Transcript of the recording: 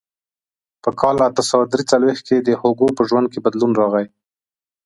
په کال اته سوه درې څلوېښت کې د هوګو په ژوند کې بدلون راغی.